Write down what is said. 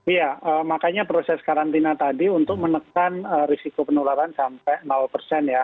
iya makanya proses karantina tadi untuk menekan risiko penularan sampai persen ya